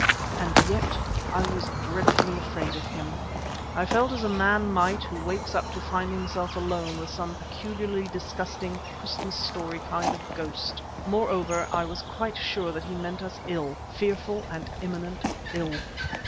And yet I was dreadfully afraid of him. I felt as a man might who wakes up to find himself alone with some peculiarly disgusting Christmas story kind of ghost. Moreover I was quite sure that he meant us ill, fearful and imminent ill.